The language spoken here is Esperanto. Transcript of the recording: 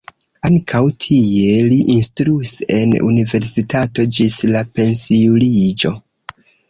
Ankaŭ tie li instruis en universitato ĝis la pensiuliĝo.